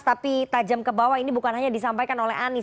tapi tajam ke bawah ini bukan hanya disampaikan oleh anies